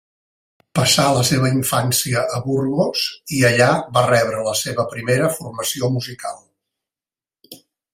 Passà la seva infància a Burgos i allà va rebre la seva primera formació musical.